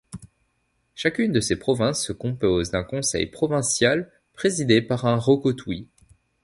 Chacune de ces provinces se compose d'un conseil provincial, présidé par un roko tui.